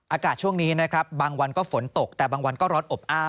อากาศช่วงนี้นะครับบางวันก็ฝนตกแต่บางวันก็ร้อนอบอ้าว